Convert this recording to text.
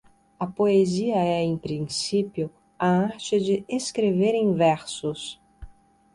A poesia é, em princípio, a arte de escrever em versos.